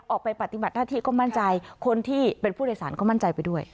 ปฏิบัติหน้าที่ก็มั่นใจคนที่เป็นผู้โดยสารก็มั่นใจไปด้วย